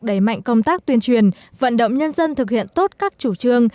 đẩy mạnh công tác tuyên truyền vận động nhân dân thực hiện tốt các chủ trương